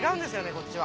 こっちは。